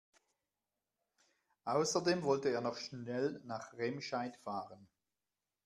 Außerdem wollte er noch schnell nach Remscheid fahren